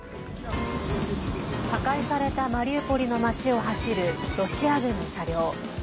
破壊されたマリウポリの町を走るロシア軍の車両。